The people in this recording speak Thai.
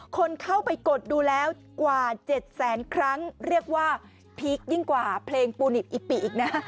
คนเข้าไปกดดูแล้วกว่า๗แสนครั้งเรียกว่าพีคยิ่งกว่าเพลงปูนิตอิปิอีกนะ